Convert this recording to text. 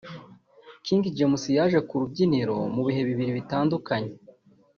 King James yaje ku rubyiniro mu bihe bibiri bitandukanye